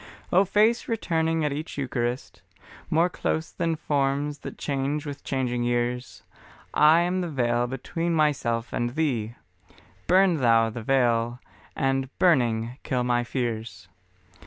O Face returning at each Eucharist, More close than forms that change with changing years, I am the veil between myself and Thee, Burn Thou the veil, and burning, kill my fears.